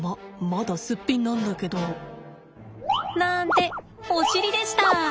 まだスッピンなんだけど。なんてお尻でした。